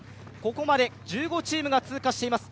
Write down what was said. ここまで１５チームが通過しています。